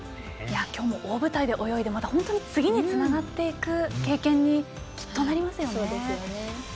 今日も大舞台で泳いで次につながっていく経験にきっと、なりますね。